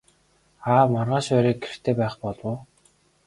Аав маргааш орой гэртээ байх болов уу?